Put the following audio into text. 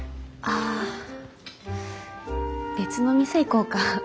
別の店行こうか？